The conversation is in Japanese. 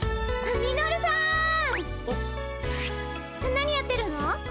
何やってるの？